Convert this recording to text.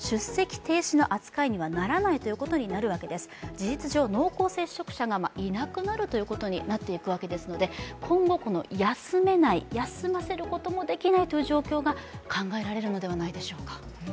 事実上濃厚接触者がいなくなるということになっていくわけですので今後休めない、休ませることもできないという状況が考えられるのではないでしょうか。